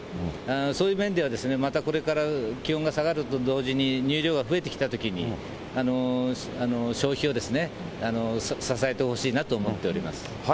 そういう面では、またこれから気温が下がると同時に乳量が増えてきたときに、消費を支えてほしいなと思っております。